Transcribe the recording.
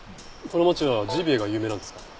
この町はジビエが有名なんですか？